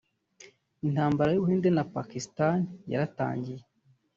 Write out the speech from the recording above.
Intambara y’ubuhinde na Pakistan yaratangiye